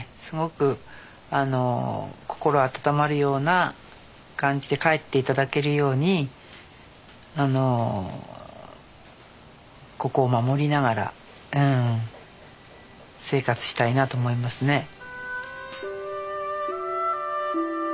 すごく心温まるような感じで帰って頂けるようにここを守りながら生活したいなと思いますね。